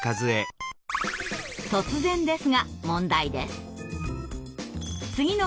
突然ですが問題です。